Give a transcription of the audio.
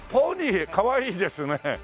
かわいいですね。